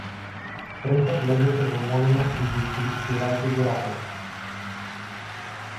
„Пред да влезете ве молиме дезинфицирајте ги рацете“